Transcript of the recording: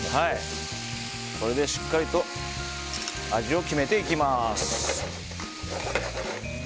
これで、しっかりと味を決めていきます。